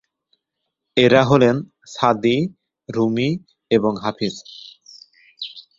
এরা হলেন Saadi, Rumi এবং হাফিজ।